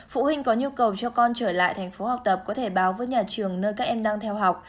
phụ huynh có nhu cầu cho con trở lại tp hcm có thể báo với nhà trường nơi các em đang theo học